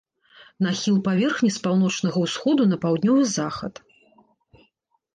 Нахіл паверхні з паўночнага ўсходу на паўднёвы захад.